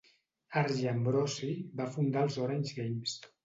Arjan Brussee va fundar els Orange Games.